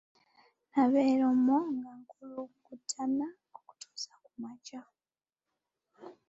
Nabeera omwo nga nkulungutana okutuusa ku makya.